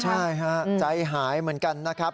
ใช่ฮะใจหายเหมือนกันนะครับ